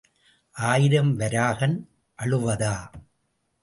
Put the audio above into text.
ஆயிரம் வராகன் அழுவதா?